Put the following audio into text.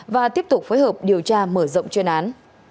và tiếp tục phối hợp điều tra mở rộng chuyên án